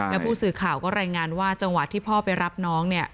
แล้วผู้สื่อข่าวก็รายงานว่าจังหวะที่พ่อไปรับน้องเนี่ย